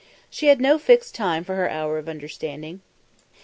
She had no fixed time for her hour of understanding.